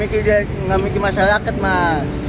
ini dia ngamiki masyarakat mas